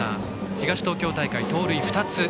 東東京大会、盗塁２つ。